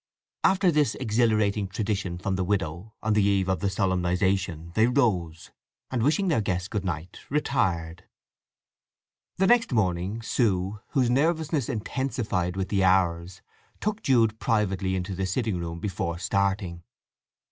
After this exhilarating tradition from the widow on the eve of the solemnization they rose, and, wishing their guest good night, retired. The next morning Sue, whose nervousness intensified with the hours, took Jude privately into the sitting room before starting.